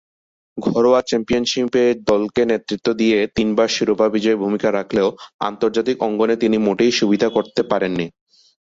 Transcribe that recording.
ঘরোয়া চ্যাম্পিয়নশীপে দলকে নেতৃত্ব দিয়ে তিনবার শিরোপা বিজয়ে ভূমিকা রাখলেও আন্তর্জাতিক অঙ্গনে তিনি মোটেই সুবিধে করতে পারেননি।